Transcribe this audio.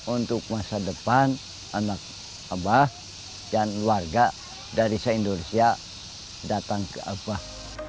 untuk masa depan anak abah dan warga dari se indonesia datang ke abah